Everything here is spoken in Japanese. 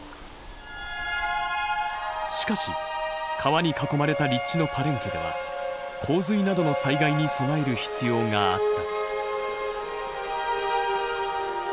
しかし川に囲まれた立地のパレンケでは洪水などの災害に備える必要があった。